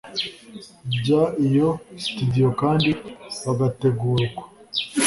by iyo sitidiyo kandi bagategura uko